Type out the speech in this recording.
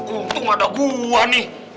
untung ada gua nih